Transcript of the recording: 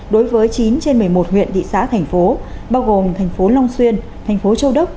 đối với chín trên một mươi một huyện thị xã thành phố bao gồm thành phố long xuyên thành phố châu đốc